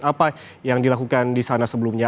apa yang dilakukan di sana sebelumnya